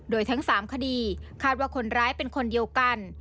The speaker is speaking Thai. โดยทั้ง๓คดีคาดว่าคนร้ายเป็นคนเดียวกัน